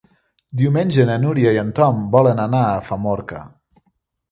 Diumenge na Núria i en Tom volen anar a Famorca.